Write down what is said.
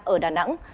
ở đà nẵng